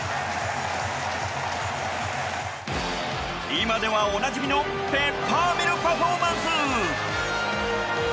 今では、おなじみのペッパーミルパフォーマンス。